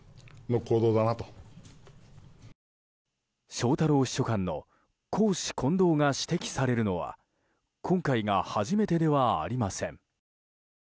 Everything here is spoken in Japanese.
翔太郎秘書官の公私混同が指摘されるのは今回が初めてではありません。